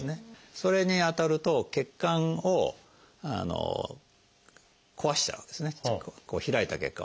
それに当たると血管を壊しちゃうわけですね開いた血管を。